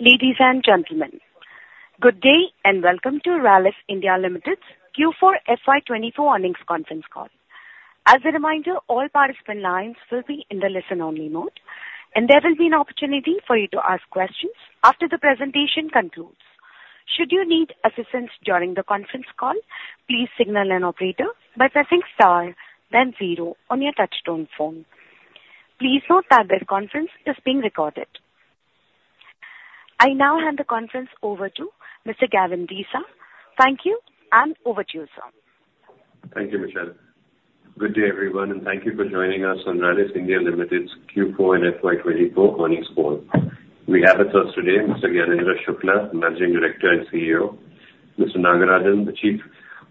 Ladies and gentlemen, good day and welcome to Rallis India Limited's Q4 FY24 earnings conference call. As a reminder, all participant lines will be in the listen-only mode, and there will be an opportunity for you to ask questions after the presentation concludes. Should you need assistance during the conference call, please signal an operator by pressing star, then 0 on your touch-tone phone. Please note that this conference is being recorded. I now hand the conference over to Mr. Gyanendra Shukla. Thank you, and over to you, sir. Thank you, Michelle. Good day, everyone, and thank you for joining us on Rallis India Limited's Q4 and FY24 earnings call. We have with us today Mr. Gyanendra Shukla, Managing Director and CEO; Mr. S. Nagarajan, the Chief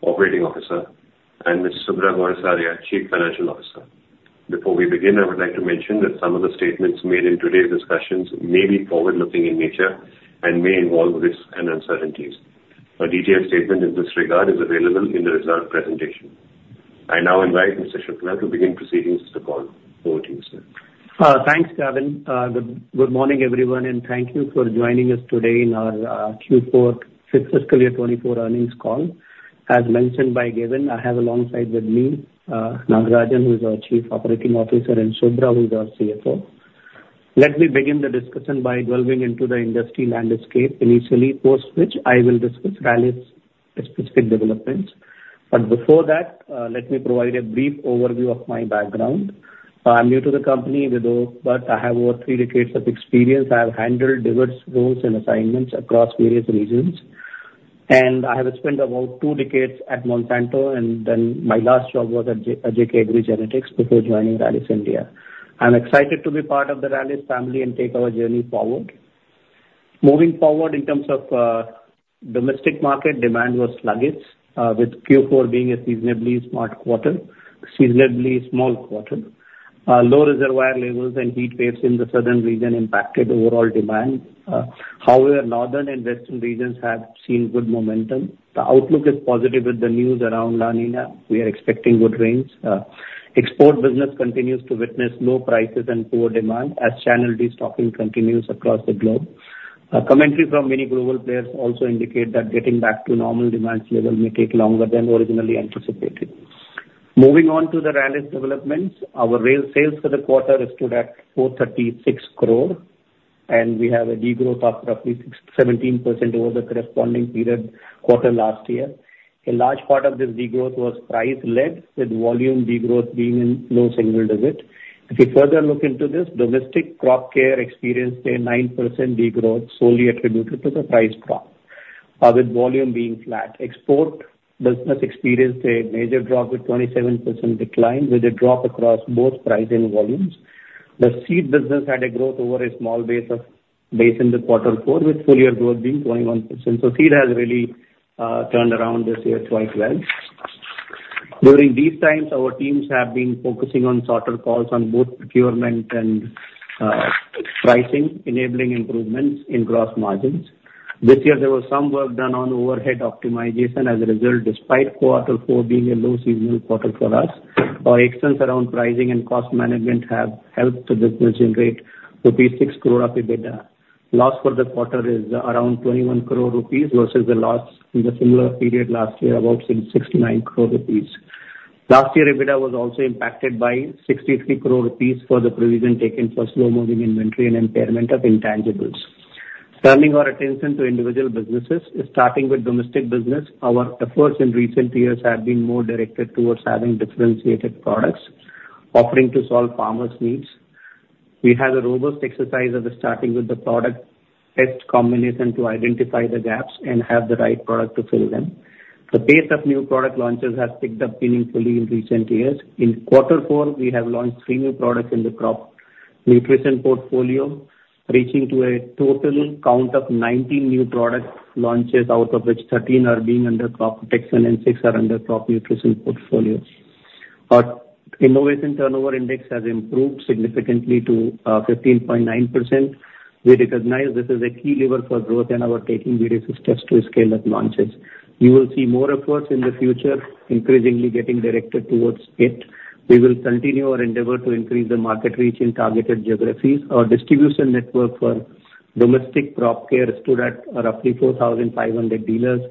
Operating Officer; and Mr. Subhra Gourisaria, Chief Financial Officer. Before we begin, I would like to mention that some of the statements made in today's discussions may be forward-looking in nature and may involve risks and uncertainties. A detailed statement in this regard is available in the result presentation. I now invite Mr. Shukla to begin proceedings with the call. Over to you, sir. Thanks, Gyanendra. Good morning, everyone, and thank you for joining us today in our Q4 FY24 earnings call. As mentioned by Gyanendra, I have alongside me Nagarajan, who is our Chief Operating Officer, and Subhra, who is our CFO. Let me begin the discussion by delving into the industry landscape initially, post which I will discuss Rallis' specific developments. But before that, let me provide a brief overview of my background. I'm new to the company, but I have over three decades of experience. I have handled diverse roles and assignments across various regions. And I have spent about two decades at Monsanto, and then my last job was at JK Agri Genetics before joining Rallis India. I'm excited to be part of the Rallis family and take our journey forward. Moving forward in terms of domestic market, demand was sluggish, with Q4 being a seasonably small quarter. Low reservoir levels and heat waves in the Southern Region impacted overall demand. However, Northern and Western Regions have seen good momentum. The outlook is positive with the news around La Niña. We are expecting good rains. Export business continues to witness low prices and poor demand as channel destocking continues across the globe. Commentary from many global players also indicate that getting back to normal demands level may take longer than originally anticipated. Moving on to the Rallis developments, our sales for the quarter stood at 436 crore, and we have a degrowth of roughly 17% over the corresponding period quarter last year. A large part of this degrowth was price-led, with volume degrowth being in low single digit. If you further look into this, domestic crop care experienced a 9% degrowth solely attributed to the price drop, with volume being flat. Export business experienced a major drop with 27% decline, with a drop across both price and volumes. The seed business had a growth over a small base in the quarter four, with full year growth being 21%. So seed has really turned around this year quite well. During these times, our teams have been focusing on shorter calls on both procurement and pricing, enabling improvements in gross margins. This year, there was some work done on overhead optimization. As a result, despite quarter four being a low seasonal quarter for us, our actions around pricing and cost management have helped the business generate rupees 6 crore of EBITDA. Loss for the quarter is around 21 crore rupees versus the loss in the similar period last year, about 69 crore rupees. Last year, EBITDA was also impacted by 63 crore rupees for the provision taken for slow-moving inventory and impairment of intangibles. Turning our attention to individual businesses, starting with domestic business, our efforts in recent years have been more directed towards having differentiated products offering to solve farmers' needs. We have a robust exercise of starting with the product best combination to identify the gaps and have the right product to fill them. The pace of new product launches has picked up meaningfully in recent years. In quarter four, we have launched 3 new products in the crop nutrition portfolio, reaching to a total count of 19 new product launches, out of which 13 are being under crop protection and 6 are under crop nutrition portfolio. Our innovation turnover index has improved significantly to 15.9%. We recognize this is a key lever for growth, and we are taking various steps to scale up launches. You will see more efforts in the future, increasingly getting directed towards it. We will continue our endeavor to increase the market reach in targeted geographies. Our distribution network for domestic crop care stood at roughly 4,500 dealers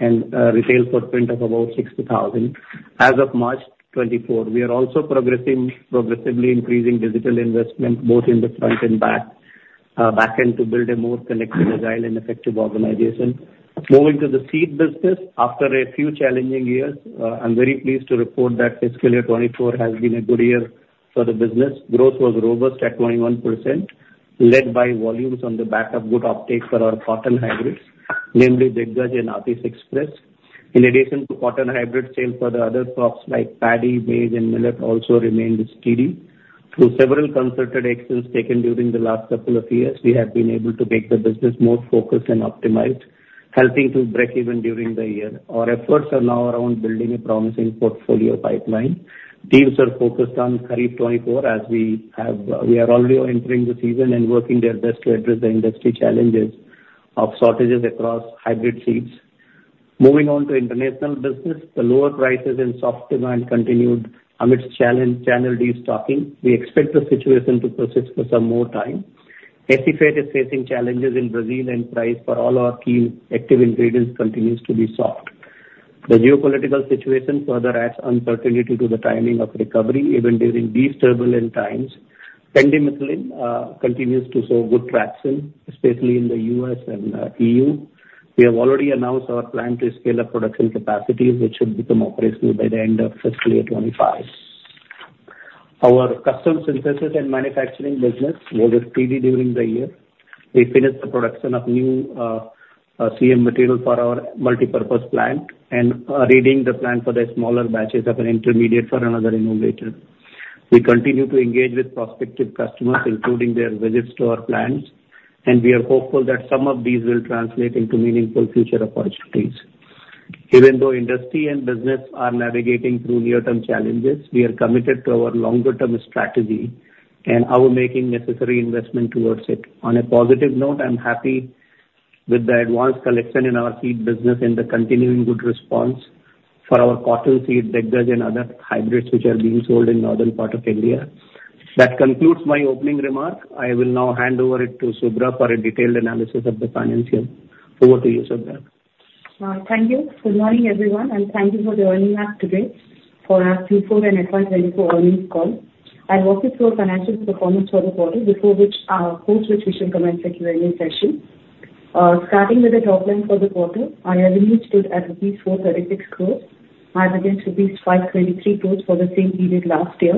and a retail footprint of about 60,000. As of March 2024, we are also progressively increasing digital investment both in the front and back end to build a more connected, agile, and effective organization. Moving to the seed business, after a few challenging years, I'm very pleased to report that Fiscal Year 2024 has been a good year for the business. Growth was robust at 21%, led by volumes on the back of good uptake for our cotton hybrids, namely Diggaz and Aatish. In addition to cotton hybrid, sales for the other crops like paddy, maize, and millet also remained steady. Through several concerted actions taken during the last couple of years, we have been able to make the business more focused and optimized, helping to break even during the year. Our efforts are now around building a promising portfolio pipeline. Teams are focused on Kharif 2024 as we are already entering the season and working their best to address the industry challenges of shortages across hybrid seeds. Moving on to international business, the lower prices and soft demand continued amidst channel destocking. We expect the situation to persist for some more time. Acephate is facing challenges in Brazil, and price for all our key active ingredients continues to be soft. The geopolitical situation further adds uncertainty to the timing of recovery, even during these turbulent times. pendimethalin continues to show good traction in, especially in the U.S. and E.U. We have already announced our plan to scale up production capacities, which should become operational by the end of Fiscal Year 2025. Our Custom Synthesis and Manufacturing business was steady during the year. We finished the production of new CSM material for our Multipurpose Plant and are readying the plan for the smaller batches of an intermediate for another innovator. We continue to engage with prospective customers, including their visits to our plants, and we are hopeful that some of these will translate into meaningful future opportunities. Even though industry and business are navigating through near-term challenges, we are committed to our longer-term strategy and are making necessary investment towards it. On a positive note, I'm happy with the advance collection in our seed business and the continuing good response for our cotton seed, Diggaz, and other hybrids which are being sold in the northern part of India. That concludes my opening remark. I will now hand over it to Subhra for a detailed analysis of the financials. Over to you, Subhra. Thank you. Good morning, everyone, and thank you for joining us today for our Q4 and FY24 earnings call. I'll walk you through our financial performance for the quarter, before which we shall commence the Q&A session. Starting with the top line for the quarter, our revenues stood at rupees 436 crore as against rupees 523 crore for the same period last year,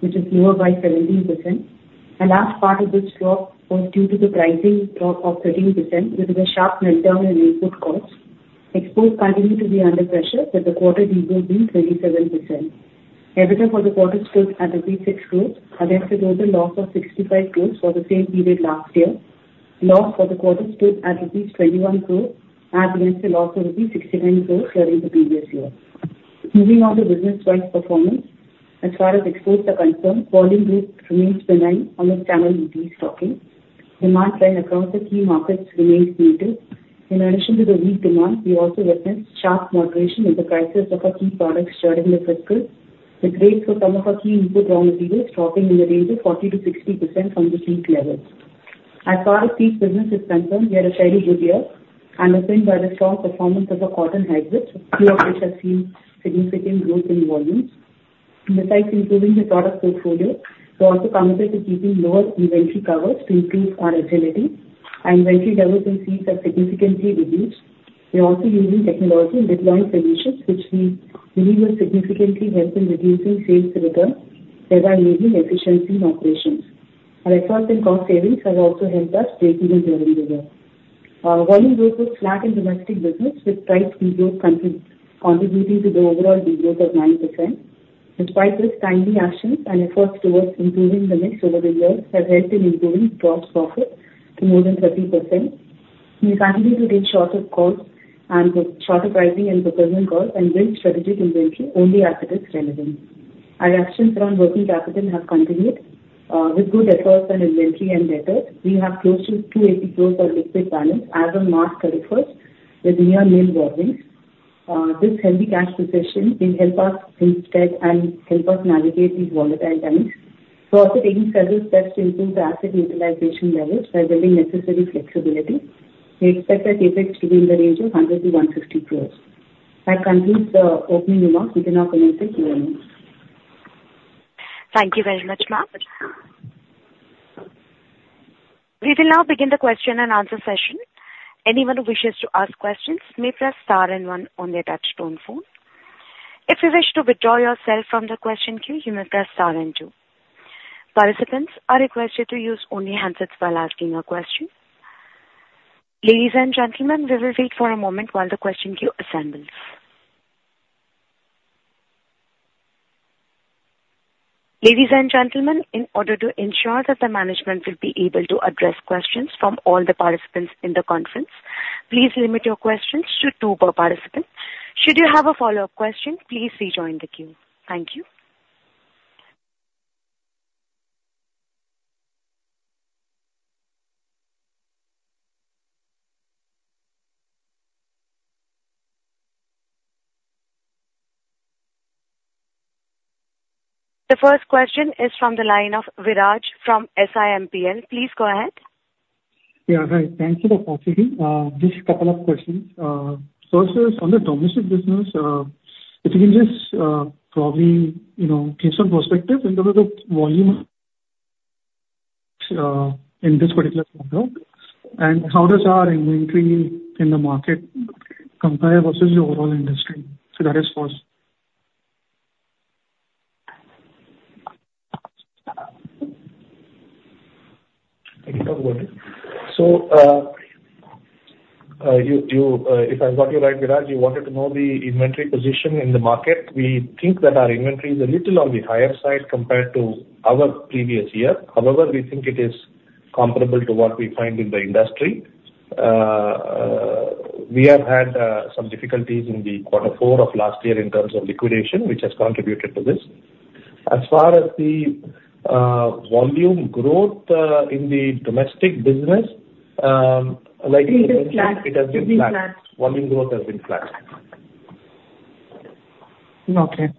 which is lower by 17%. The last part of this drop was due to the pricing drop of 13% with a sharp meltdown in input costs. Exports continue to be under pressure, with the quarter degrowth being 27%. EBITDA for the quarter stood at 6 crore, against a total loss of 65 crore for the same period last year. Loss for the quarter stood at 21 crore, as against a loss of 69 crore during the previous year. Moving on to business-wise performance, as far as exports are concerned, volume growth remains benign amidst channel destocking. Demand trend across the key markets remains neutral. In addition to the weak demand, we also witnessed sharp moderation in the prices of our key products during the fiscal, with rates for some of our key input raw materials dropping in the range of 40%-60% from the peak levels. As far as seed business is concerned, we had a fairly good year underpinned by the strong performance of our cotton hybrids, a few of which have seen significant growth in volumes. Besides improving the product portfolio, we also committed to keeping lower inventory covers to improve our agility. Our inventory levels in seeds have significantly reduced. We are also using technology and deploying solutions which we believe will significantly help in reducing sales returns thereby enabling efficiency in operations. Our efforts in cost savings have also helped us break even during the year. Volume growth was flat in domestic business, with price degrowth contributing to the overall degrowth of 9%. Despite this, timely actions and efforts towards improving the mix over the years have helped in improving gross profit to more than 30%. We continue to take shorter calls and shorter pricing and procurement calls and build strategic inventory only as it is relevant. Our actions around working capital have continued. With good efforts on inventory and debtors, we have close to 280 crore of liquid balance as of March 31st, with near-nil borrowings. This healthy cash position will help us invest and help us navigate these volatile times. We're also taking several steps to improve the asset utilization levels by building necessary flexibility. We expect our CapEx to be in the range of 100 crore-150 crore. That concludes the opening remarks. We can now commence the Q&A. Thank you very much, Mark. We will now begin the question-and-answer session. Anyone who wishes to ask questions may press star and one on their touch-tone phone. If you wish to withdraw yourself from the question queue, you may press star and two. Participants are requested to use only handsets while asking a question. Ladies and gentlemen, we will wait for a moment while the question queue assembles. Ladies and gentlemen, in order to ensure that the management will be able to address questions from all the participants in the conference, please limit your questions to two per participant. Should you have a follow-up question, please rejoin the queue. Thank you. The first question is from the line of Viraj from SIMPL. Please go ahead. Yeah, hi. Thanks for the opportunity. Just a couple of questions. First, on the domestic business, if you can just probably give some perspective in terms of volume in this particular quarter and how does our inventory in the market compare versus the overall industry? So that is first. Thank you for the question. So if I got you right, Viraj, you wanted to know the inventory position in the market. We think that our inventory is a little on the higher side compared to our previous year. However, we think it is comparable to what we find in the industry. We have had some difficulties in the quarter four of last year in terms of liquidation, which has contributed to this. As far as the volume growth in the domestic business, like in the industry, it has been flat. Volume growth has been flat. Okay.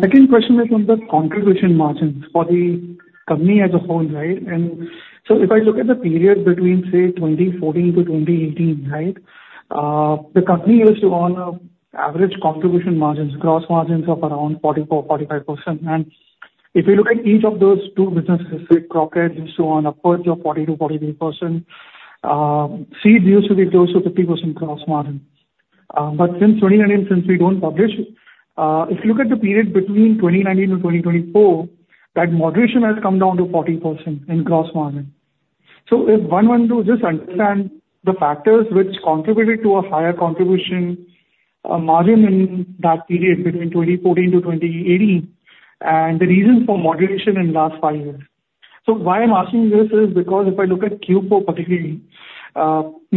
Second question is on the contribution margins for the company as a whole, right? And so if I look at the period between, say, 2014-2018, right, the company used to own average contribution margins, gross margins of around 44%-45%. And if you look at each of those two businesses, say, Crop used to own a perch of 40%-43%. Seed used to be close to 50% gross margin. But since 2019, since we don't publish, if you look at the period between 2019-2024, that moderation has come down to 40% in gross margin. So if one wants to just understand the factors which contributed to a higher contribution margin in that period between 2014-2018 and the reasons for moderation in the last five years. So why I'm asking this is because if I look at Q4 particularly,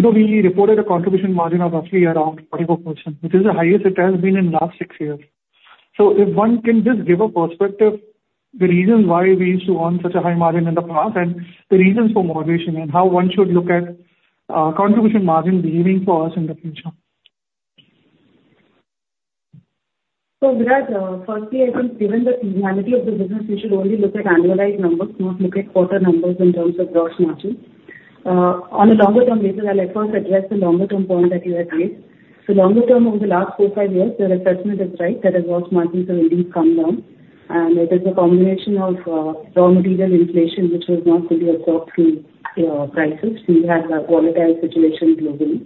we reported a contribution margin of roughly around 44%, which is the highest it has been in the last six years. If one can just give a perspective on the reasons why we used to own such a high margin in the past and the reasons for moderation and how one should look at contribution margin behaving for us in the future? So Viraj, firstly, I think given the reality of the business, we should only look at annualized numbers, not look at quarter numbers in terms of gross margin. On a longer-term basis, I'll first address the longer-term point that you have made. So longer-term, over the last four, five years, the assessment is right that gross margins have indeed come down, and it is a combination of raw material inflation, which was not fully absorbed through prices. We had a volatile situation globally.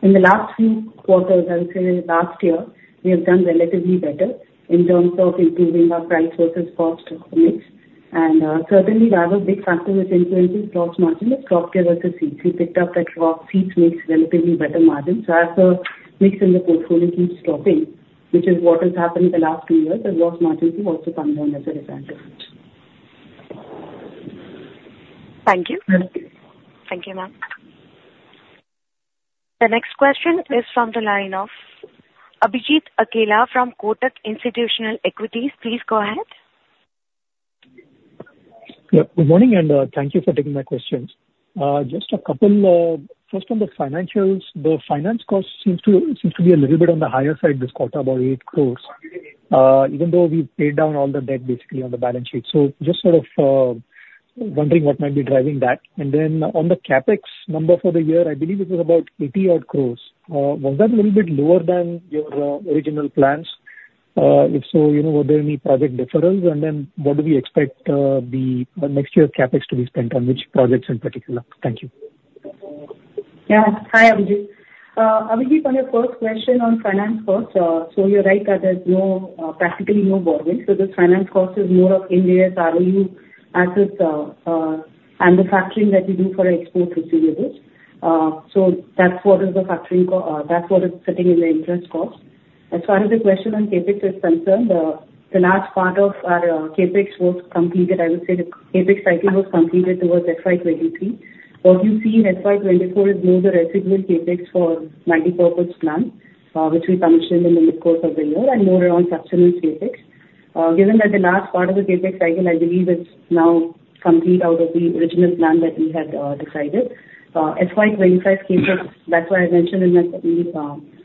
In the last few quarters, I would say last year, we have done relatively better in terms of improving our price versus cost mix. And certainly, the other big factor which influences gross margin is crop care versus seeds. We picked up that crop seeds make relatively better margins. As the mix in the portfolio keeps dropping, which is what has happened in the last two years, the gross margins have also come down as a result of it. Thank you. Thank you, Mark. The next question is from the line of Abhijit Akella from Kotak Institutional Equities. Please go ahead. Yeah, good morning, and thank you for taking my questions. Just a couple first on the financials. The finance cost seems to be a little bit on the higher side this quarter, about 8 crore, even though we've paid down all the debt basically on the balance sheet. So just sort of wondering what might be driving that. And then on the CapEx number for the year, I believe it was about 80-odd crore. Was that a little bit lower than your original plans? If so, were there any project deferrals? And then what do we expect the next year's CapEx to be spent on, which projects in particular? Thank you. Yeah. Hi, Abhijit. Abhijit, on your first question on finance cost, so you're right that there's practically no borrowing. So this finance cost is more of India's ROU assets and the factoring that you do for export receivables. So that's what is the factoring that's what is sitting in the interest cost. As far as the question on CapEx is concerned, the last part of our CapEx was completed. I would say the CapEx cycle was completed towards FY23. What you see in FY24 is more the residual CapEx for multipurpose plants, which we commissioned in the mid-course of the year, and more around sustenance CapEx. Given that the last part of the CapEx cycle, I believe, is now complete out of the original plan that we had decided, FY25 CapEx, that's why I mentioned in my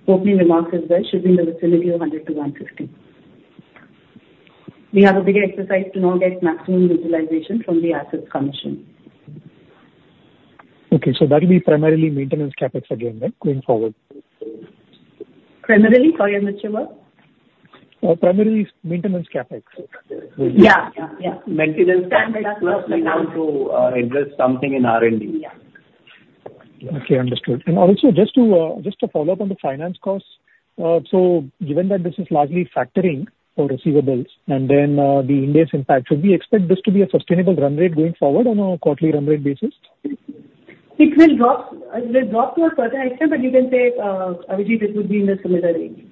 opening remarks as well, should be in the vicinity of 100-150. We have a bigger exercise to now get maximum utilization from the assets commission. Okay. So that will be primarily maintenance CapEx again, right, going forward? Primarily? Sorry, I missed your word. Primarily maintenance CapEx. Yeah, yeah, yeah. Maintenance CapEx. Standard assets will come down to address something in R&D. Yeah. Okay. Understood. And also, just to follow up on the finance cost, so given that this is largely factoring for receivables and then the INR's impact, should we expect this to be a sustainable run rate going forward on a quarterly run rate basis? It will drop to a certain extent, but you can say, Abhijit, it would be in the similar range.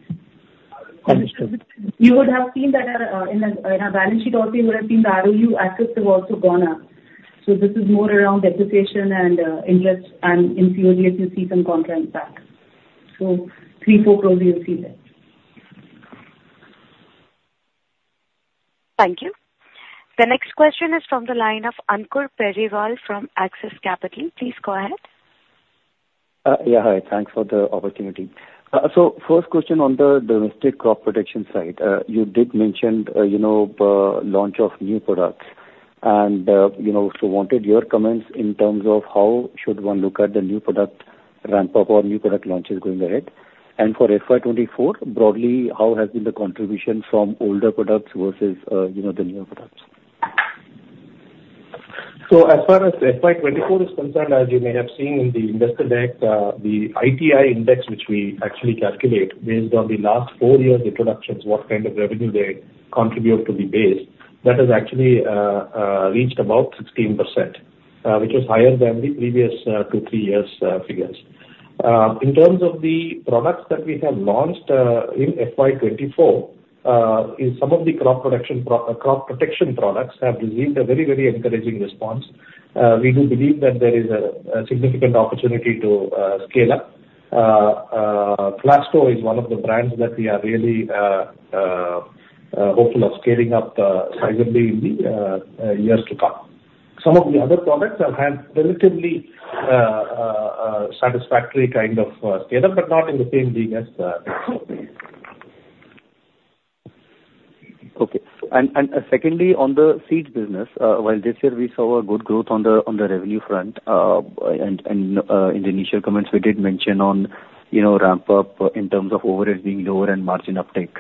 Understood. You would have seen that in our balance sheet also, you would have seen the ROU assets have also gone up. So this is more around depreciation and interest, and in COGS, you see some contract back. So 3-4 crores, you'll see that. Thank you. The next question is from the line of Ankur Periwal from Axis Capital. Please go ahead. Yeah, hi. Thanks for the opportunity. So first question on the domestic crop production side. You did mention launch of new products and also wanted your comments in terms of how should one look at the new product ramp-up or new product launches going ahead. And for FY24, broadly, how has been the contribution from older products versus the newer products? So as far as FY24 is concerned, as you may have seen in the investor deck, the ITI index, which we actually calculate based on the last four years' introductions, what kind of revenue they contribute to be based, that has actually reached about 16%, which is higher than the previous two, three years' figures. In terms of the products that we have launched in FY24, some of the crop protection products have received a very, very encouraging response. We do believe that there is a significant opportunity to scale up. Clasto is one of the brands that we are really hopeful of scaling up sizably in the years to come. Some of the other products have had relatively satisfactory kind of scale-up, but not in the same league as Clasto. Okay. Secondly, on the seed business, while this year, we saw good growth on the revenue front, and in the initial comments, we did mention on ramp-up in terms of overhead being lower and margin uptake.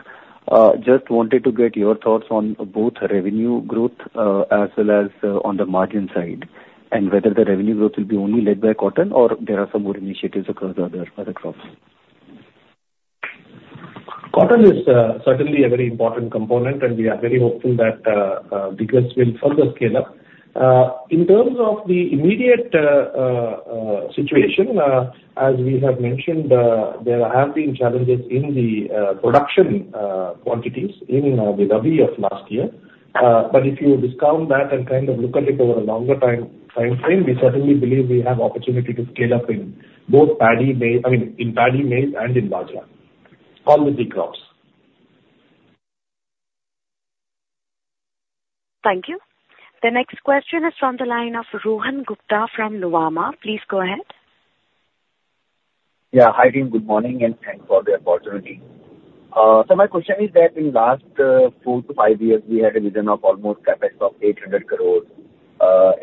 Just wanted to get your thoughts on both revenue growth as well as on the margin side and whether the revenue growth will be only led by cotton or there are some more initiatives across other crops. Cotton is certainly a very important component, and we are very hopeful that Diggaz will further scale up. In terms of the immediate situation, as we have mentioned, there have been challenges in the production quantities in the Rabi of last year. But if you discount that and kind of look at it over a longer time frame, we certainly believe we have opportunity to scale up in both paddy maize I mean, in paddy maize and in bajra, all the Zaid crops. Thank you. The next question is from the line of Rohan Gupta from Nuvama. Please go ahead. Yeah, hi. Again, good morning and thanks for the opportunity. So my question is that in the last four to five years, we had a vision of almost CapEx of 800 crore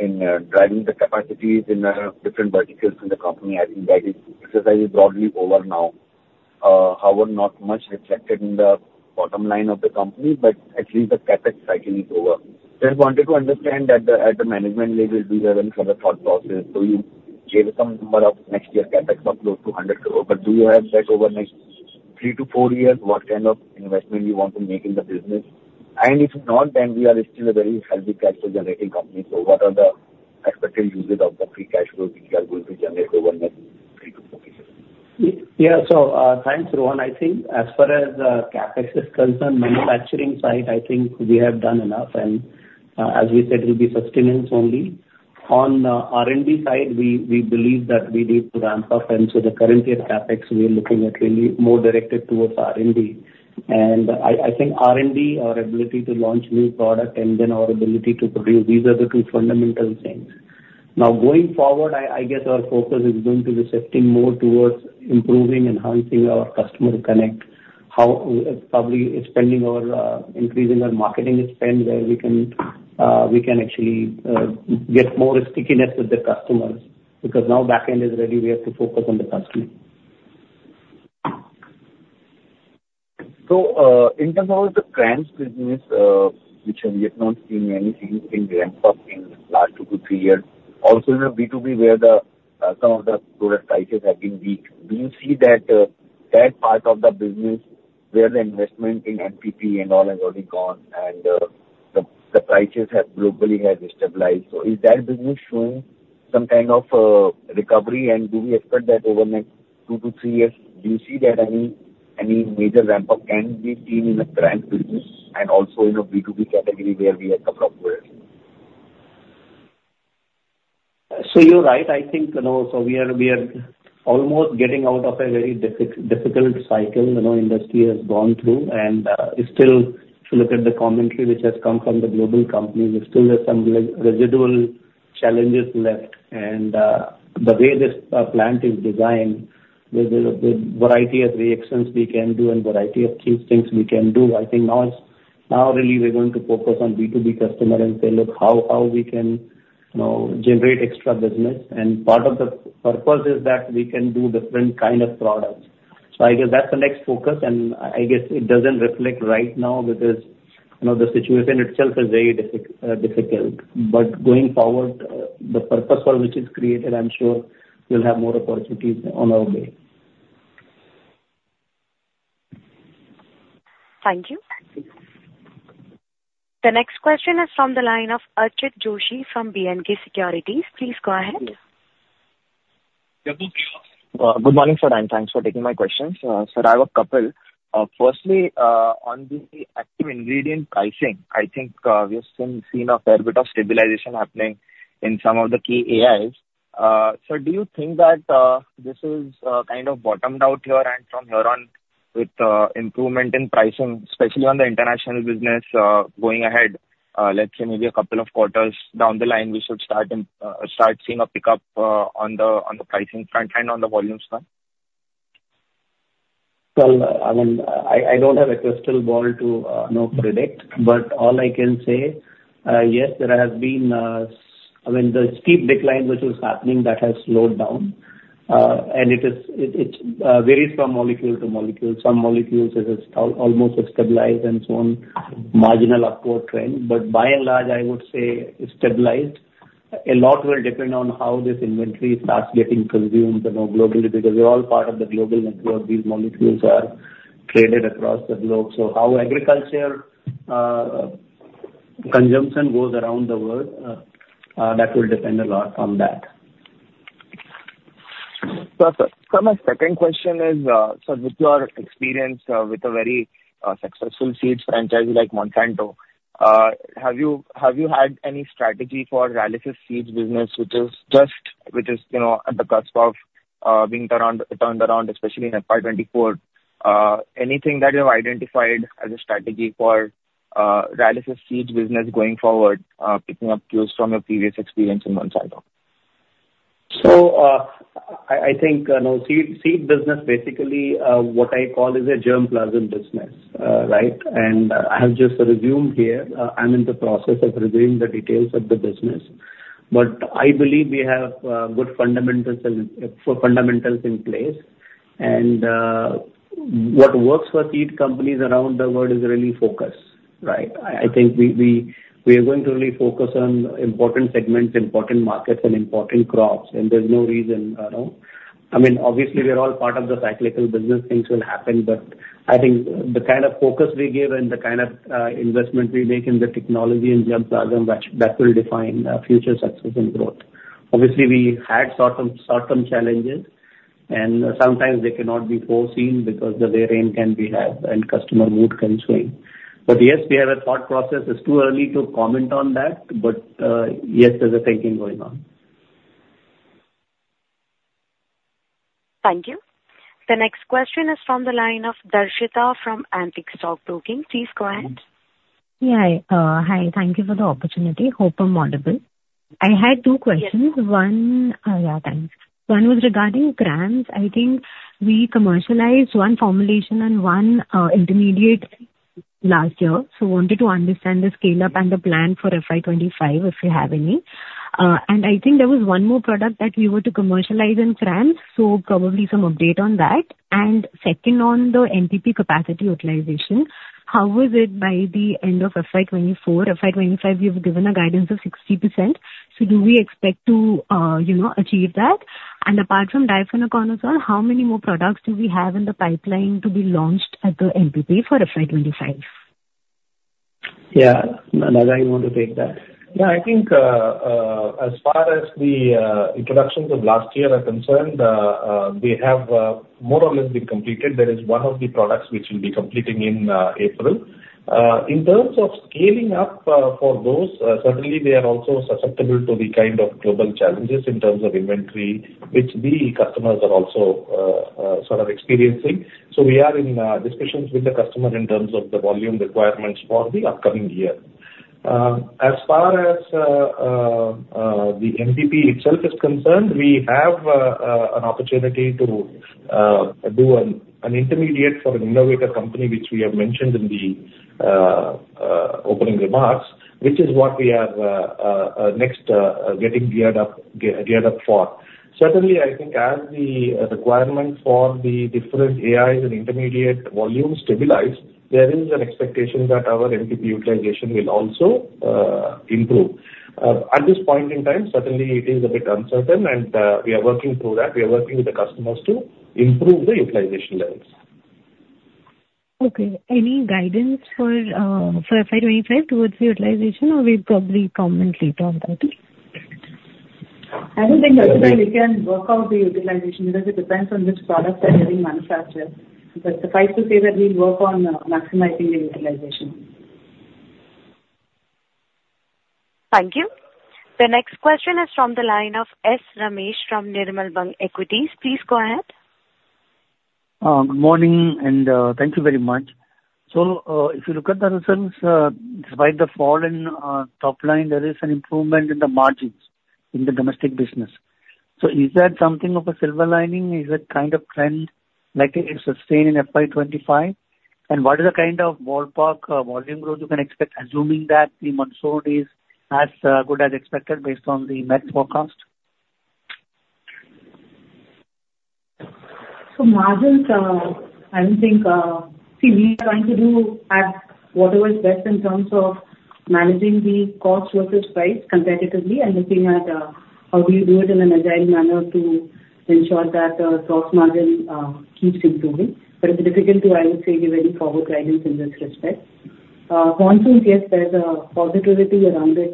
in driving the capacities in different verticals in the company. I think that is exercised broadly over now. However, not much reflected in the bottom line of the company, but at least the CapEx cycle is over. Just wanted to understand at the management level, do you have any further thought process? So you gave some number of next year CapEx up close to INR 100 crore, but do you have that over the next three to four years? What kind of investment do you want to make in the business? And if not, then we are still a very healthy cash-flow-generating company. What are the expected uses of the free cash flow that we are going to generate over the next 3-4 years? Yeah. So thanks, Rohan. I think as far as CapEx is concerned, manufacturing side, I think we have done enough, and as we said, it will be sustenance only. On the R&D side, we believe that we need to ramp up. And so the current year CapEx, we are looking at really more directed towards R&D. And I think R&D, our ability to launch new product, and then our ability to produce, these are the two fundamental things. Now, going forward, I guess our focus is going to be shifting more towards improving, enhancing our customer connect. Probably, increasing our marketing spend where we can actually get more stickiness with the customers because now backend is ready. We have to focus on the customer. So in terms of the CRAMS business, which we have not seen anything ramp up in the last 2-3 years, also in the B2B where some of the product prices have been weak, do you see that part of the business where the investment in MPP and all has already gone and the prices globally have stabilized? So is that business showing some kind of recovery, and do we expect that over the next 2-3 years, do you see that any major ramp-up can be seen in the CRAMS business and also in a B2B category where we have a problem with it? So you're right. I think, so we are almost getting out of a very difficult cycle the industry has gone through. If you look at the commentary which has come from the global companies, still there are some residual challenges left. The way this plant is designed, with the variety of reactions we can do and variety of key things we can do, I think now really, we're going to focus on B2B customer and say, "Look, how we can generate extra business?" Part of the purpose is that we can do different kind of products. So I guess that's the next focus. I guess it doesn't reflect right now because the situation itself is very difficult. But going forward, the purpose for which it's created, I'm sure we'll have more opportunities on our way. Thank you. The next question is from the line of Archit Joshi from B&K Securities. Please go ahead. Good morning, sir, and thanks for taking my questions. Sir, I have a couple. Firstly, on the active ingredient pricing, I think we have seen a fair bit of stabilization happening in some of the key AIs. Sir, do you think that this is kind of bottomed out here and from here on with improvement in pricing, especially on the international business going ahead, let's say maybe a couple of quarters down the line, we should start seeing a pickup on the pricing front and on the volumes front? Well, I mean, I don't have a crystal ball to predict, but all I can say, yes, there has been, I mean, the steep decline which was happening, that has slowed down. It varies from molecule to molecule. Some molecules have almost stabilized and so on, marginal upward trend. But by and large, I would say stabilized. A lot will depend on how this inventory starts getting consumed globally because we're all part of the global network. These molecules are traded across the globe. So how agriculture consumption goes around the world, that will depend a lot on that. Perfect. So my second question is, sir, with your experience with a very successful seeds franchise like Monsanto, have you had any strategy for Rallis's seeds business, which is just at the cusp of being turned around, especially in FY24? Anything that you have identified as a strategy for Rallis's seeds business going forward, picking up cues from your previous experience in Monsanto? So I think seed business, basically, what I call is a germplasm business, right? I have just resumed here. I'm in the process of reviewing the details of the business. But I believe we have good fundamentals in place. And what works for seed companies around the world is really focus, right? I think we are going to really focus on important segments, important markets, and important crops. And there's no reason I mean, obviously, we're all part of the cyclical business. Things will happen. But I think the kind of focus we give and the kind of investment we make in the technology and germplasm, that will define future success and growth. Obviously, we had short-term challenges, and sometimes they cannot be foreseen because the weather can be bad and customer mood can swing. But yes, we have a thought process. It's too early to comment on that, but yes, there's a thinking going on. Thank you. The next question is from the line of Darshita from Antique Stock Broking. Please go ahead. Yeah. Hi. Thank you for the opportunity. Hope I'm audible. I had two questions. Yeah, thanks. One was regarding CRAMS. I think we commercialized one formulation and one intermediate last year, so wanted to understand the scale-up and the plan for FY25, if you have any. And I think there was one more product that we were to commercialize in CRAMS, so probably some update on that. And second, on the MPP capacity utilization, how was it by the end of FY24? FY25, you've given a guidance of 60%. So do we expect to achieve that? And apart from difenoconazole, how many more products do we have in the pipeline to be launched at the MPP for FY25? Yeah. Another thing I want to take that. Yeah, I think as far as the introductions of last year are concerned, they have more or less been completed. There is one of the products which we'll be completing in April. In terms of scaling up for those, certainly, they are also susceptible to the kind of global challenges in terms of inventory, which the customers are also sort of experiencing. So we are in discussions with the customer in terms of the volume requirements for the upcoming year. As far as the MPP itself is concerned, we have an opportunity to do an intermediate for an innovator company, which we have mentioned in the opening remarks, which is what we are next getting geared up for. Certainly, I think as the requirement for the different AIs and intermediate volume stabilized, there is an expectation that our MPP utilization will also improve. At this point in time, certainly, it is a bit uncertain, and we are working through that. We are working with the customers to improve the utilization levels. Okay. Any guidance for FY25 towards the utilization, or we'll probably comment later on that? I don't think we can work out the utilization because it depends on which products are getting manufactured. But suffice to say that we'll work on maximizing the utilization. Thank you. The next question is from the line of S. Ramesh from Nirmal Bang Equities. Please go ahead. Good morning, and thank you very much. If you look at the results, despite the fall in top line, there is an improvement in the margins in the domestic business. Is that something of a silver lining? Is that kind of trend likely to sustain in FY25? What is the kind of ballpark volume growth you can expect, assuming that the monsoon is as good as expected based on the met forecast? So margins, I don't think see, we are trying to add whatever is best in terms of managing the cost versus price competitively and looking at how do you do it in an agile manner to ensure that the gross margin keeps improving. But it's difficult to, I would say, give any forward guidance in this respect. Monsoons, yes, there's a positivity around it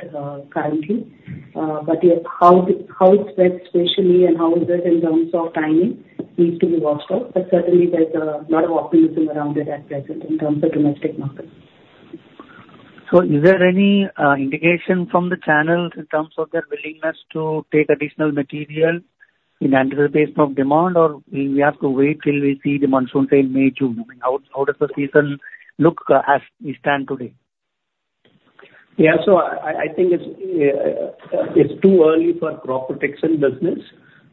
currently. But how it spreads spatially and how it does in terms of timing needs to be watched out. But certainly, there's a lot of optimism around it at present in terms of domestic markets. Is there any indication from the channels in terms of their willingness to take additional material in anticipation of demand, or will we have to wait till we see the monsoon sale May, June? I mean, how does the season look as we stand today? Yeah. So I think it's too early for crop protection business.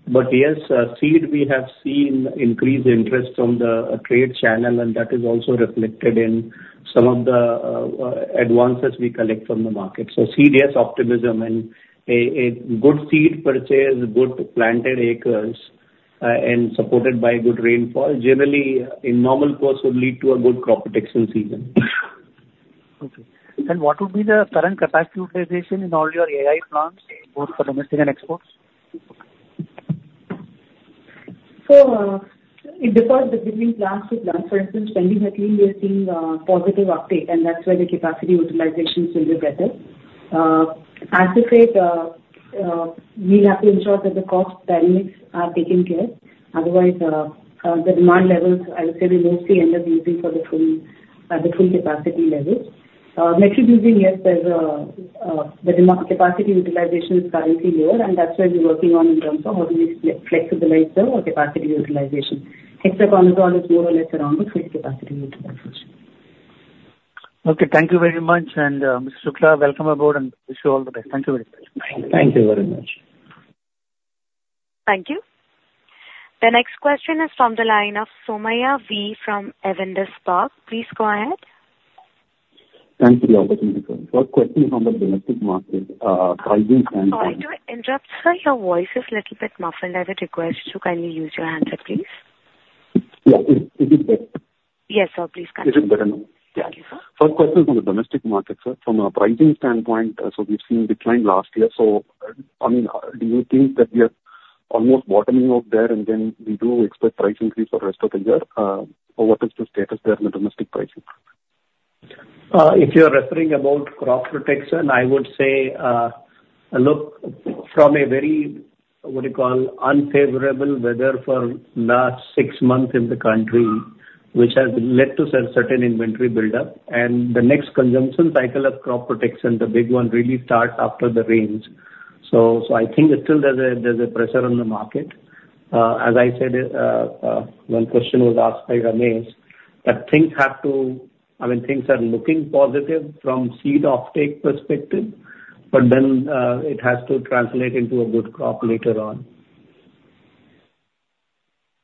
But yes, seed, we have seen increased interest from the trade channel, and that is also reflected in some of the advances we collect from the market. So seed, yes, optimism and a good seed purchase, good planted acres, and supported by good rainfall, generally, in normal course, would lead to a good crop protection season. Okay. What would be the current capacity utilization in all your AI plants, both for domestic and exports? So it differs between plant to plant. For instance, Pendimethalin at least we are seeing positive uptake, and that's where the capacity utilizations will be better. As of it, we'll have to ensure that the cost dynamics are taken care. Otherwise, the demand levels, I would say, we mostly end up using for the full capacity levels. metribuzin, yes, the capacity utilization is currently lower, and that's where we're working on in terms of how do we flexibilize the capacity utilization. Hexaconazole is more or less around the full capacity utilization. Okay. Thank you very much. Mr. Shukla, welcome aboard, and wish you all the best. Thank you very much. Thank you very much. Thank you. The next question is from the line of Somaiya V. from Avendus Spark. Please go ahead. Thanks for the opportunity, sir. First question is from the domestic market, pricing standpoint. Sorry to interrupt, sir. Your voice is a little bit muffled. I would request you kindly use your handset, please. Yeah. Is it better? Yes, sir. Please continue. Is it better now? Yeah. Thank you, sir. First question is from the domestic market, sir. From a pricing standpoint, so we've seen decline last year. So I mean, do you think that we are almost bottoming out there, and then we do expect price increase for the rest of the year? Or what is the status there in the domestic pricing? If you are referring about crop protection, I would say look from a very, what do you call, unfavorable weather for the last six months in the country, which has led to a certain inventory buildup. The next consumption cycle of crop protection, the big one, really starts after the rains. So I think still there's a pressure on the market. As I said, one question was asked by Ramesh that things have to I mean, things are looking positive from seed uptake perspective, but then it has to translate into a good crop later on.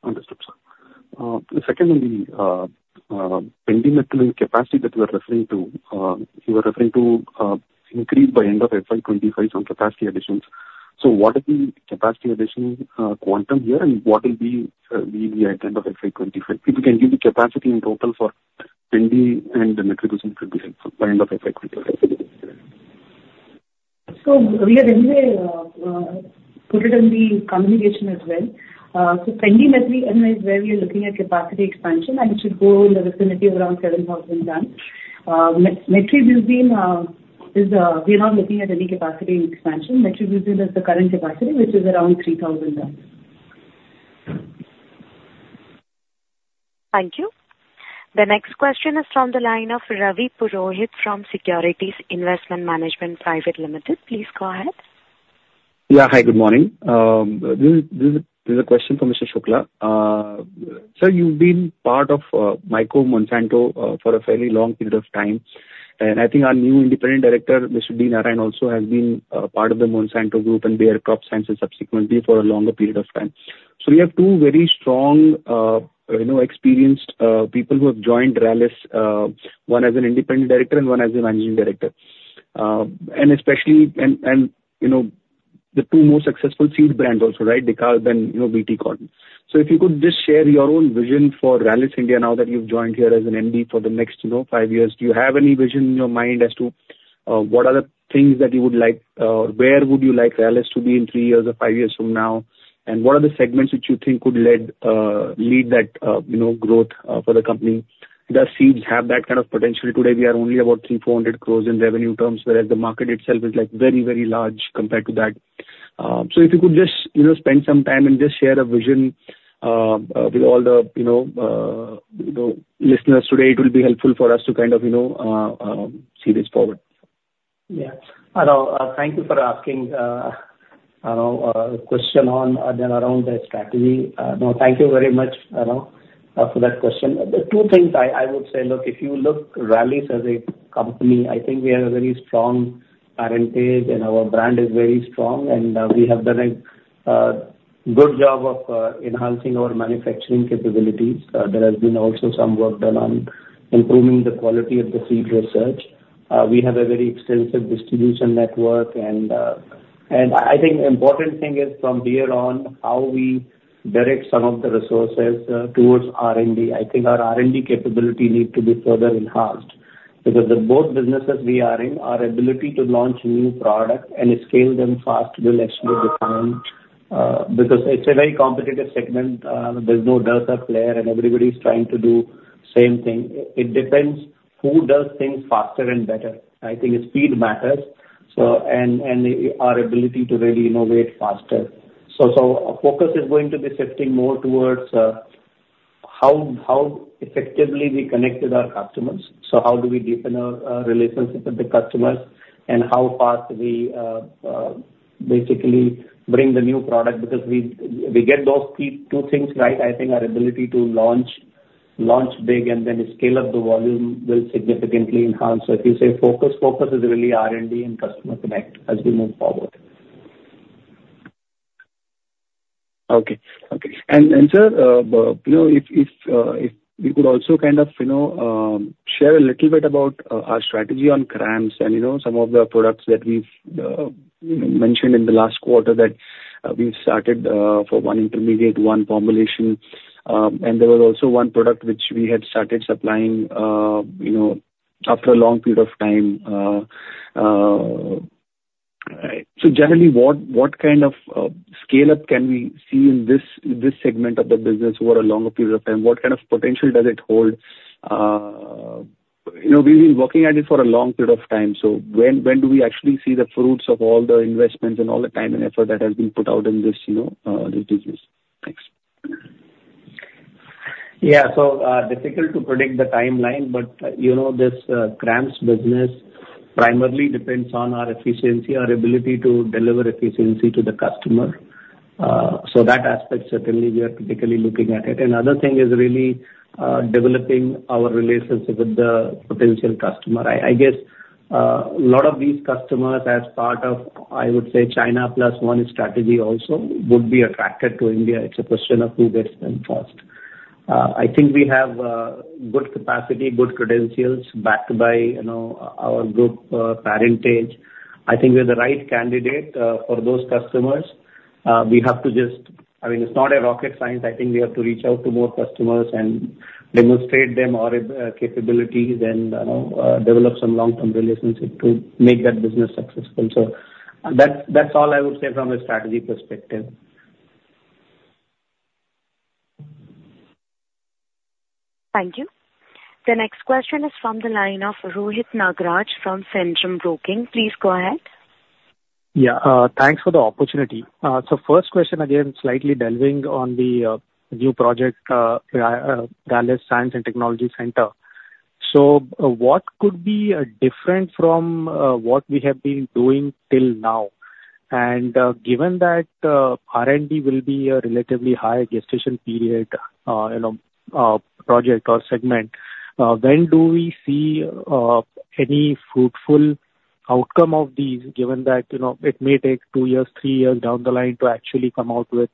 Understood, sir. Second, on the Pendimethalin and capacity that you are referring to, you were referring to increase by end of FY25 on capacity additions. What is the capacity addition quantum here, and what will be the end of FY25? If you can give the capacity in total for Pendimethalin and the metribuzin, it would be helpful by end of FY25. So we have anyway put it in the communication as well. So Pendimethalin market, anyway, is where we are looking at capacity expansion, and it should go in the vicinity around 7,000 tons. Metribuzin, we are not looking at any capacity expansion. Metribuzin is the current capacity, which is around 3,000 tons. Thank you. The next question is from the line of Ravi Purohit from Securities Investment Management Pvt Ltd. Please go ahead. Yeah. Hi. Good morning. This is a question from Mr. Shukla. Sir, you've been part of Monsanto for a fairly long period of time. And I think our new independent director, Mr. D. Narain, also has been part of the Monsanto Group and Bayer CropScience subsequently for a longer period of time. So we have two very strong, experienced people who have joined Rallis, one as an independent director and one as a managing director, and especially the two most successful seed brands also, right? Dekalb and Bt cotton. So if you could just share your own vision for Rallis India now that you've joined here as an MD for the next five years, do you have any vision in your mind as to what are the things that you would like or where would you like Rallis to be in three years or five years from now? What are the segments which you think could lead that growth for the company? Does seeds have that kind of potential? Today, we are only about 3,400 crores in revenue terms, whereas the market itself is very, very large compared to that. If you could just spend some time and just share a vision with all the listeners today, it will be helpful for us to kind of see this forward. Yeah. Thank you for asking a question around the strategy. No, thank you very much for that question. Two things I would say. Look, if you look at Rallis as a company, I think we have a very strong parentage, and our brand is very strong. And we have done a good job of enhancing our manufacturing capabilities. There has been also some work done on improving the quality of the seed research. We have a very extensive distribution network. And I think the important thing is from here on how we direct some of the resources towards R&D. I think our R&D capability needs to be further enhanced because both businesses we are in, our ability to launch new products and scale them fast will actually define because it's a very competitive segment. There's no doubt a player, and everybody's trying to do the same thing. It depends who does things faster and better. I think speed matters and our ability to really innovate faster. So our focus is going to be shifting more towards how effectively we connect with our customers. So how do we deepen our relationship with the customers, and how fast do we basically bring the new product? Because we get those two things right, I think our ability to launch big and then scale up the volume will significantly enhance. So if you say focus, focus is really R&D and customer connect as we move forward. Okay. Okay. And sir, if we could also kind of share a little bit about our strategy on CRAMS and some of the products that we've mentioned in the last quarter that we've started for one intermediate, one formulation. And there was also one product which we had started supplying after a long period of time. So generally, what kind of scale-up can we see in this segment of the business over a longer period of time? What kind of potential does it hold? We've been working at it for a long period of time. So when do we actually see the fruits of all the investments and all the time and effort that has been put out in this business? Thanks. Yeah. So difficult to predict the timeline, but this CRAMS business primarily depends on our efficiency, our ability to deliver efficiency to the customer. So that aspect, certainly, we are particularly looking at it. And the other thing is really developing our relationship with the potential customer. I guess a lot of these customers, as part of, I would say, China plus one strategy also, would be attracted to India. It's a question of who gets them first. I think we have good capacity, good credentials backed by our group parentage. I think we're the right candidate for those customers. We have to just I mean, it's not a rocket science. I think we have to reach out to more customers and demonstrate them our capabilities and develop some long-term relationship to make that business successful. So that's all I would say from a strategy perspective. Thank you. The next question is from the line of Rohit Nagaraj from Centrum Broking. Please go ahead. Yeah. Thanks for the opportunity. So first question, again, slightly delving on the new project, Rallis Science and Technology Center. So what could be different from what we have been doing till now? And given that R&D will be a relatively high gestation period project or segment, when do we see any fruitful outcome of these, given that it may take two years, three years down the line to actually come out with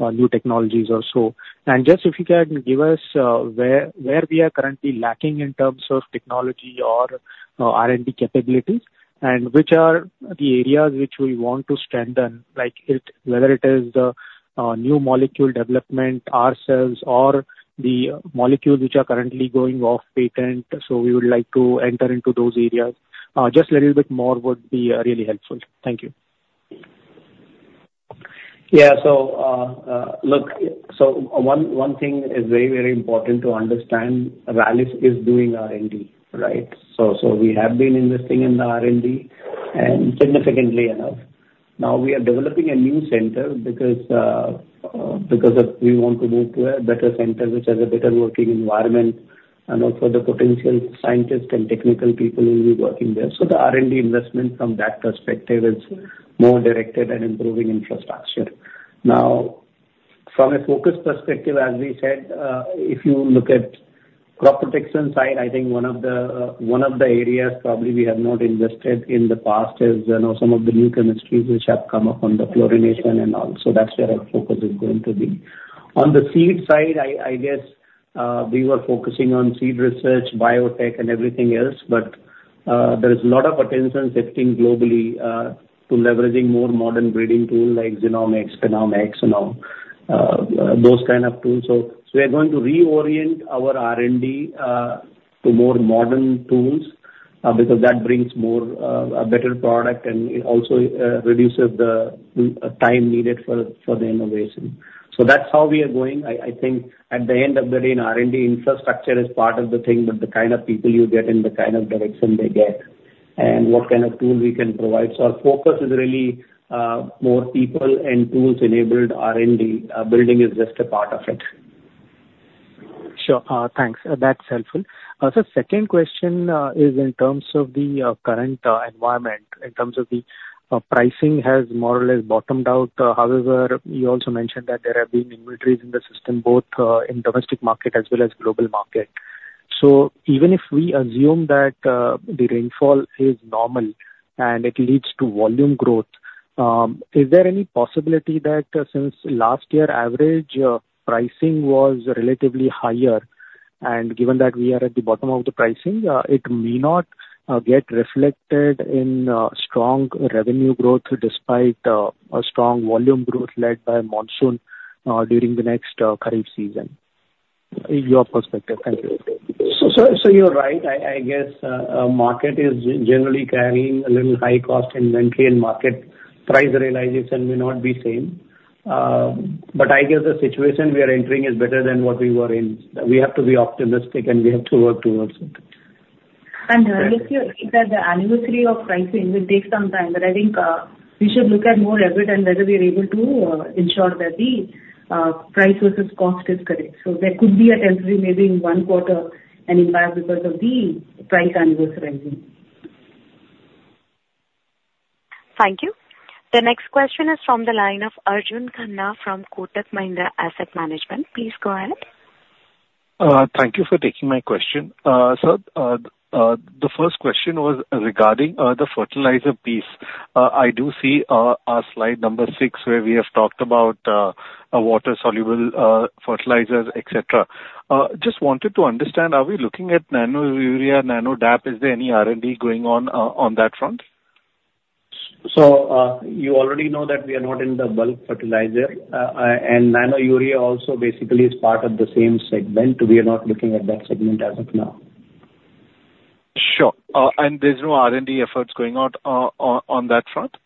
new technologies or so? And just if you can give us where we are currently lacking in terms of technology or R&D capabilities and which are the areas which we want to strengthen, whether it is the new molecule development ourselves or the molecules which are currently going off-patent, so we would like to enter into those areas, just a little bit more would be really helpful. Thank you. Yeah. So look, so one thing is very, very important to understand. Rallis is doing R&D, right? So we have been investing in the R&D significantly enough. Now, we are developing a new center because we want to move to a better center which has a better working environment for the potential scientists and technical people who will be working there. So the R&D investment from that perspective is more directed at improving infrastructure. Now, from a focus perspective, as we said, if you look at crop protection side, I think one of the areas probably we have not invested in the past is some of the new chemistries which have come up on the chlorination and all. So that's where our focus is going to be. On the seed side, I guess we were focusing on seed research, biotech, and everything else. But there is a lot of attention shifting globally to leveraging more modern breeding tools like Genomics, Phenomics, and all those kind of tools. So we are going to reorient our R&D to more modern tools because that brings a better product, and it also reduces the time needed for the innovation. So that's how we are going. I think at the end of the day, an R&D infrastructure is part of the thing, but the kind of people you get and the kind of direction they get and what kind of tool we can provide. So our focus is really more people and tools-enabled R&D. Building is just a part of it. Sure. Thanks. That's helpful. So second question is in terms of the current environment. In terms of the pricing, has more or less bottomed out? However, you also mentioned that there have been inventories in the system, both in domestic market as well as global market. So even if we assume that the rainfall is normal and it leads to volume growth, is there any possibility that since last year, average pricing was relatively higher? And given that we are at the bottom of the pricing, it may not get reflected in strong revenue growth despite a strong volume growth led by monsoon during the next Kharif season, your perspective. Thank you. So you're right. I guess market is generally carrying a little high-cost inventory, and market price realization may not be same. But I guess the situation we are entering is better than what we were in. We have to be optimistic, and we have to work towards it. If you're looking at the anniversary of pricing, it will take some time. But I think we should look at more effort and whether we are able to ensure that the price versus cost is correct. So there could be a temporary maybe in one quarter and impact because of the price anniversarizing. Thank you. The next question is from the line of Arjun Khanna from Kotak Mahindra Asset Management. Please go ahead. Thank you for taking my question. Sir, the first question was regarding the fertilizer piece. I do see our slide number six where we have talked about water-soluble fertilizers, etc. Just wanted to understand, are we looking at Nano Urea, Nano DAP? Is there any R&D going on on that front? You already know that we are not in the bulk fertilizer. Nano Urea also basically is part of the same segment. We are not looking at that segment as of now. Sure. There's no R&D efforts going on on that front?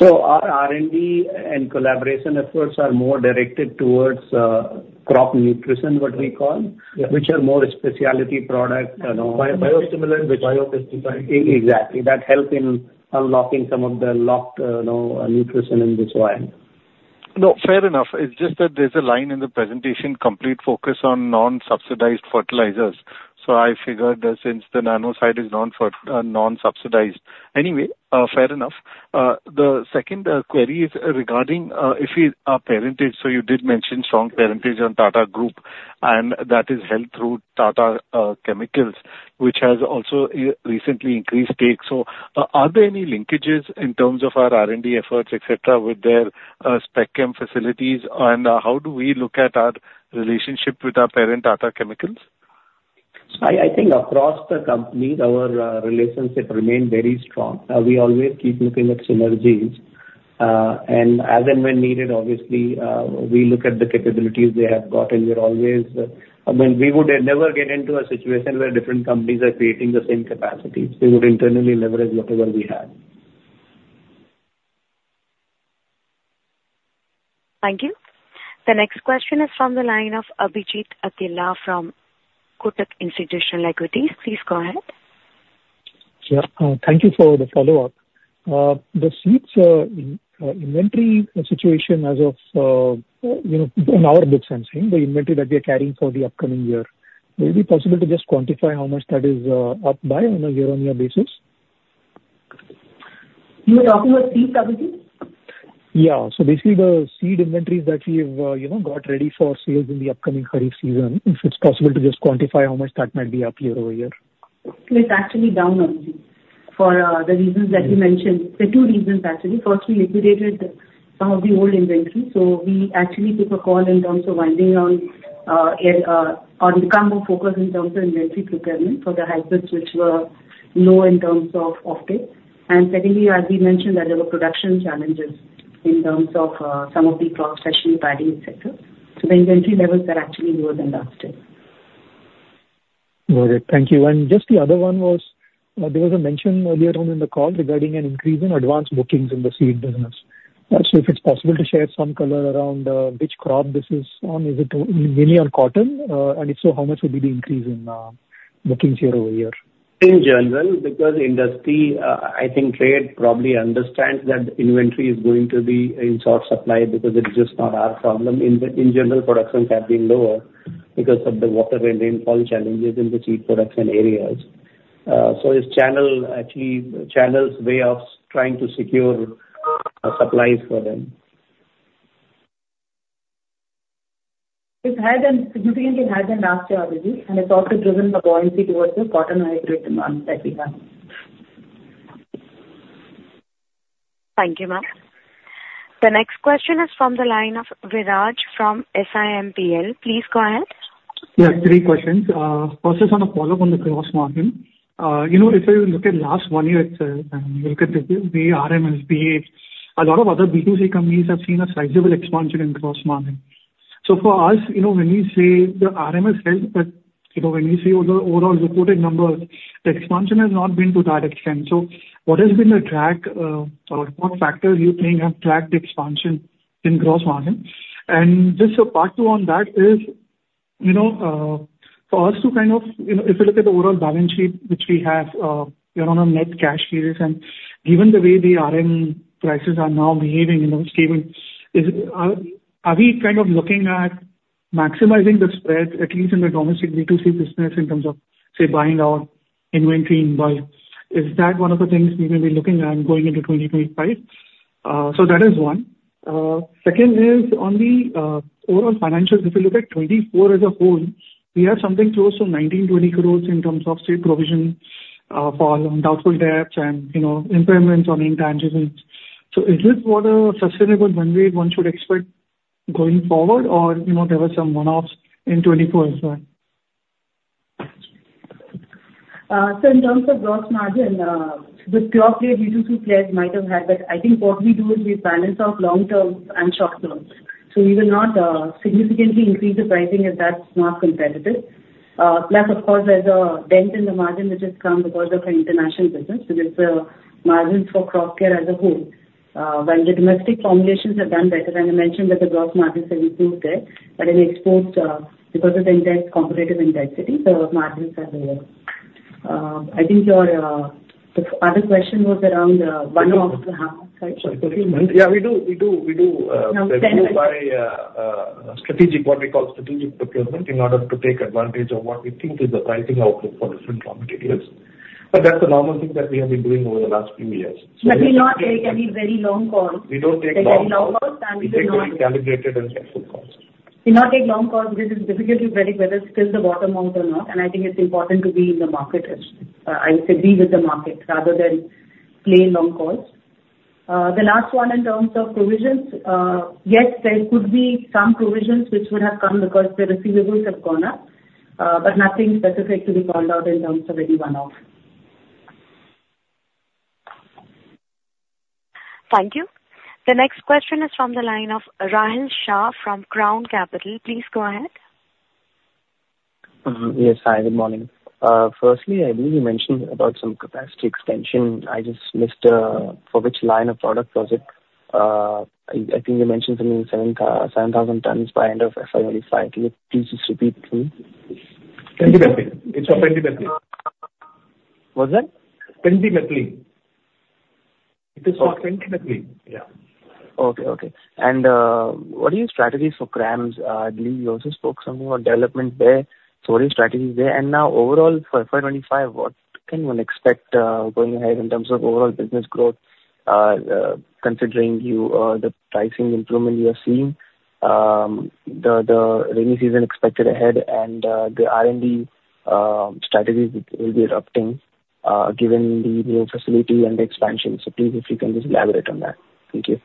Our R&D and collaboration efforts are more directed towards crop nutrition, what we call, which are more specialty products. Biostimulant, which biopesticides. Exactly. That helps in unlocking some of the locked nutrition in this way. No, fair enough. It's just that there's a line in the presentation, complete focus on non-subsidized fertilizers. So I figured since the nano side is non-subsidized. Anyway, fair enough. The second query is regarding our parentage. So you did mention strong parentage on Tata Group, and that is held through Tata Chemicals, which has also recently increased stake. So are there any linkages in terms of our R&D efforts, etc., with their specialty chem facilities? And how do we look at our relationship with our parent, Tata Chemicals? So I think across the companies, our relationship remained very strong. We always keep looking at synergies. As and when needed, obviously, we look at the capabilities they have got, and we're always I mean, we would never get into a situation where different companies are creating the same capacities. We would internally leverage whatever we have. Thank you. The next question is from the line of Abhijit Akella from Kotak Institutional Equities. Please go ahead. Sure. Thank you for the follow-up. The seeds inventory situation as of in our books, I'm saying, the inventory that we are carrying for the upcoming year, will it be possible to just quantify how much that is up by on a year-on-year basis? You were talking about seeds, Abhijit? Yeah. So basically, the seed inventories that we have got ready for sales in the upcoming Kharif season, if it's possible to just quantify how much that might be up year-over-year? It's actually down, Abhijit, for the reasons that you mentioned. There are two reasons, actually. First, we liquidated some of the old inventory. So we actually took a call in terms of winding down or become more focused in terms of inventory procurement for the hybrids, which were low in terms of offtake. And secondly, as we mentioned, there were production challenges in terms of some of the crops, especially paddy, etc. So the inventory levels are actually lower than last year. Got it. Thank you. And just the other one there was a mention earlier on in the call regarding an increase in advanced bookings in the seed business. So if it's possible to share some color around which crop this is on, is it mainly on cotton? And if so, how much would be the increase in bookings year-over-year? In general, because industry, I think trade probably understands that inventory is going to be in short supply because it's just not our problem. In general, productions have been lower because of the water and rainfall challenges in the seed production areas. So it's actually channels, way of trying to secure supplies for them. It's significantly higher than last year, Abhijit. It's also driven the buoyancy towards the cotton hybrid demand that we have. Thank you, ma'am. The next question is from the line of Viraj from SIMPL. Please go ahead. Yeah. Three questions. First is a follow-up on the gross margin. If you look at the last one year, you look at the RMs, BH, a lot of other B2C companies have seen a sizable expansion in gross margin. So for us, when we say the RMs helps, but when we see all the overall reported numbers, the expansion has not been to that extent. So what has been the track or what factors you think have tracked expansion in gross margin? And just a part two on that is for us to kind of if you look at the overall balance sheet, which we have on our net cash position, and given the way the RM prices are now behaving in those categories, are we kind of looking at maximizing the spread, at least in the domestic B2C business, in terms of, say, buying low, inventorying bulk? Is that one of the things we may be looking at going into 2025? So that is one. Second is on the overall financials, if you look at 2024 as a whole, we have something close to 19-20 crores in terms of stage provision for doubtful debts and impairments on intangibles. So is this what a sustainable runway one should expect going forward, or there were some one-offs in 2024 as well? So in terms of gross margin, the pure play B2C players might have had, but I think what we do is we balance out long-term and short-term. So we will not significantly increase the pricing if that's not competitive. Plus, of course, there's a dent in the margin which has come because of our international business because it's a margin for crop care as a whole. While the domestic formulations have done better, and I mentioned that the gross margins have improved there, but in exports, because of the competitive intensity, the margins are lower. I think the other question was around one-offs. Sorry. Yeah. We do. We do. We do. We do by strategic, what we call strategic procurement in order to take advantage of what we think is the pricing outlook for different raw materials. But that's a normal thing that we have been doing over the last few years. But we do not take any very long calls. We don't take long calls. We take very calibrated and careful calls. We do not take long calls because it's difficult to predict whether it's still the bottom out or not. I think it's important to be in the market as I would say, be with the market rather than play long calls. The last one in terms of provisions, yes, there could be some provisions which would have come because the receivables have gone up, but nothing specific to be called out in terms of any one-off. Thank you. The next question is from the line of Rahil Shah from Crown Capital. Please go ahead. Yes, hi. Good morning. Firstly, I believe you mentioned about some capacity extension. I just missed for which line of product was it? I think you mentioned something like 7,000 tons by the end of FY25. Can you please just repeat it to me? Pendimethalin. It's for Pendimethalin. What's that? Pendimethalin. It is for Pendimethalin. Yeah. Okay. Okay. And what are your strategies for CRAMS? I believe you also spoke something about development there. So what are your strategies there? And now, overall, for FY25, what can one expect going ahead in terms of overall business growth considering the pricing improvement you are seeing, the rainy season expected ahead, and the R&D strategies that will be adopting given the new facility and the expansion? So please, if you can just elaborate on that. Thank you.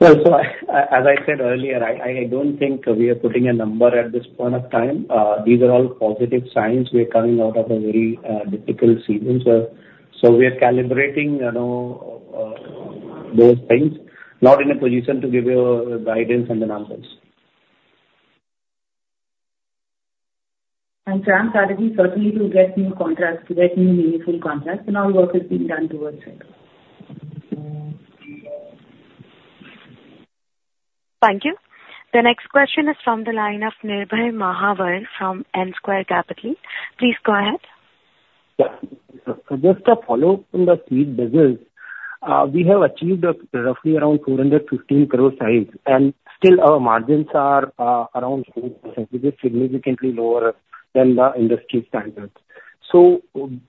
Well, so as I said earlier, I don't think we are putting a number at this point of time. These are all positive signs. We are coming out of a very difficult season. So we are calibrating those things, not in a position to give you guidance and the numbers. And CRAMS strategy certainly to get new contracts, to get new meaningful contracts. And all work is being done towards it. Thank you. The next question is from the line of Nirbhay Mahawar from NC Capital. Please go ahead. Yeah. Just a follow-up on the seed business. We have achieved roughly around 415 crore size, and still, our margins are around 4%, which is significantly lower than the industry standards. So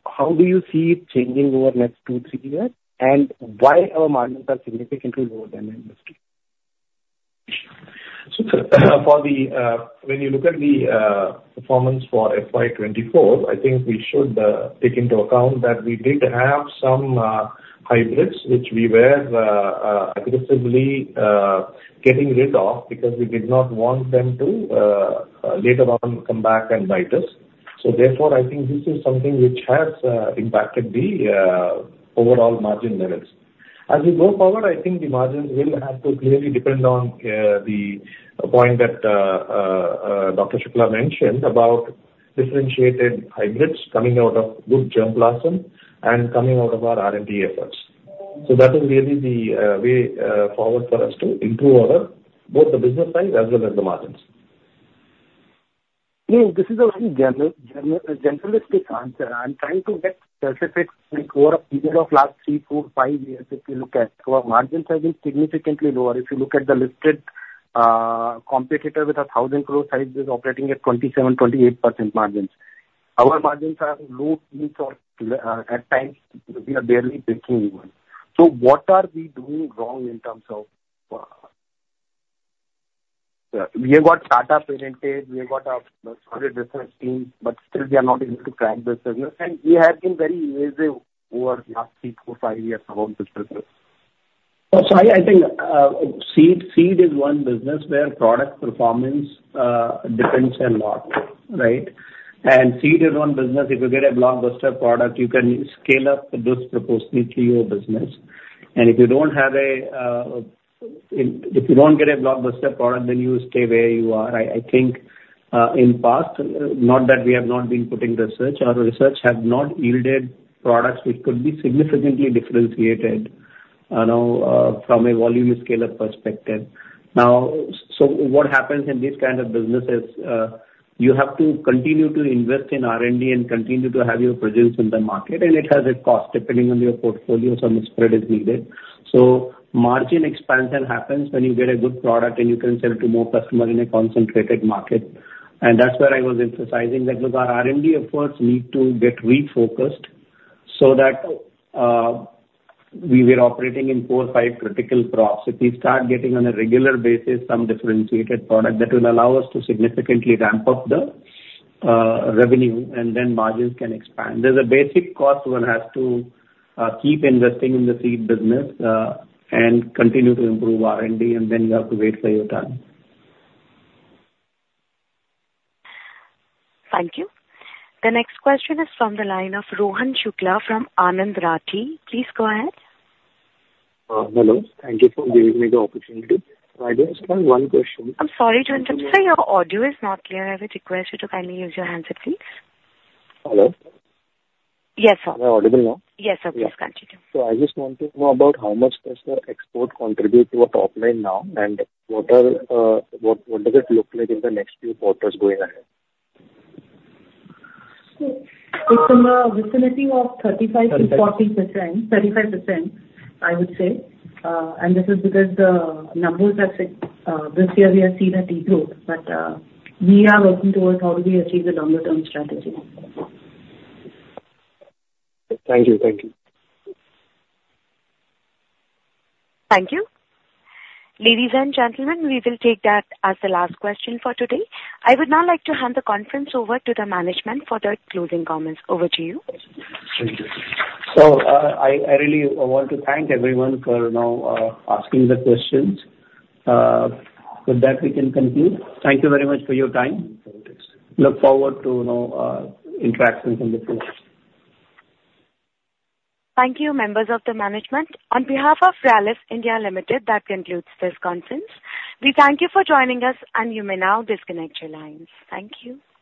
how do you see it changing over the next two, three years, and why are our margins significantly lower than the industry? Sure. So when you look at the performance for FY24, I think we should take into account that we did have some hybrids which we were aggressively getting rid of because we did not want them to later on come back and bite us. So therefore, I think this is something which has impacted the overall margin levels. As we go forward, I think the margins will have to clearly depend on the point that Dr. Shukla mentioned about differentiated hybrids coming out of good germplasm and coming out of our R&D efforts. So that is really the way forward for us to improve both the business size as well as the margins. No, this is a very generalistic answer. I'm trying to get specific over a period of last three, four, five years; if you look at our margins have been significantly lower. If you look at the listed competitor with 1,000 crore size, it is operating at 27%-28% margins. Our margins are low; in sort of at times, we are barely breaking even. So what are we doing wrong in terms of we have got Tata parentage. We have got 100 different teams, but still, we are not able to crack this business. And we have been very intensive over the last three, four, five years around this business. So I think seed is one business where product performance depends a lot, right? And seed is one business. If you get a blockbuster product, you can scale up disproportionately your business. And if you don't get a blockbuster product, then you stay where you are. I think in the past, not that we have not been putting research. Our research has not yielded products which could be significantly differentiated from a volume scale-up perspective. So what happens in these kinds of businesses, you have to continue to invest in R&D and continue to have your presence in the market. And it has a cost depending on your portfolio and the spread as needed. So margin expansion happens when you get a good product and you can sell to more customers in a concentrated market. And that's where I was emphasizing that, look, our R&D efforts need to get refocused so that we were operating in four, five critical crops. If we start getting on a regular basis some differentiated product, that will allow us to significantly ramp up the revenue, and then margins can expand. There's a basic cost one has to keep investing in the seed business and continue to improve R&D, and then you have to wait for your turn. Thank you. The next question is from the line of Rohan Shukla from Anand Rathi. Please go ahead. Hello. Thank you for giving me the opportunity. I just have one question. I'm sorry to interrupt. Sir, your audio is not clear. I would request you to kindly use your handset, please. Hello? Yes, sir. Is that audible now? Yes, sir. Please continue. I just want to know about how much does the export contribute to our top line now, and what does it look like in the next few quarters going ahead? It's in the vicinity of 35%-40%, 35%, I would say. This is because the numbers have this year, we have seen a degrowth. But we are working towards how do we achieve a longer-term strategy. Thank you. Thank you. Thank you. Ladies and gentlemen, we will take that as the last question for today. I would now like to hand the conference over to the management for their closing comments. Over to you. Thank you. So I really want to thank everyone for asking the questions. With that, we can conclude. Thank you very much for your time. Look forward to interactions in the future. Thank you, members of the management. On behalf of Rallis India Limited, that concludes this conference. We thank you for joining us, and you may now disconnect your lines. Thank you.